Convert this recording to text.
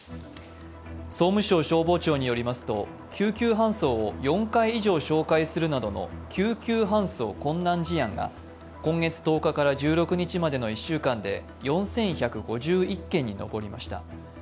総務省消防庁によりますと、救急搬送を４回以上照会するなどの救急搬送困難事案が今月１０日から１６日までの１週間で４１５１件に上りました。